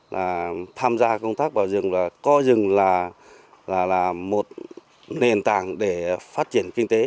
là tham gia công tác vào rừng và coi rừng là một nền tảng để phát triển kinh tế